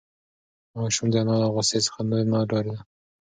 ماشوم د انا له غوسې څخه نور نه ډارېده.